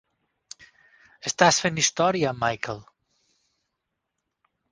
Estàs fent història, Michael.